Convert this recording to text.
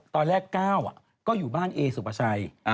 ตอนแรกก้าวก็อยู่บ้านเอสุภาชัย